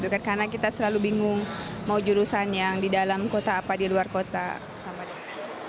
karena kita selalu bingung mau jurusan yang di dalam kota apa di luar kota sama dengan